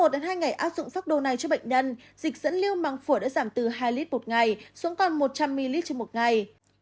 sau một hai ngày áp dụng pháp đồ này cho bệnh nhân dịch dẫn lưu mạng phổ đã giảm từ hai lít một ngày xuống còn một trăm linh ml trên một ngày